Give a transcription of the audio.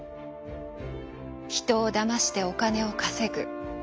「人をだましてお金を稼ぐ」。